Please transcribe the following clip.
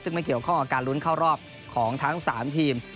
ซึ่งไม่เกี่ยวข้องกับการลุ้นเข้ารอบของทั้ง๓ทีม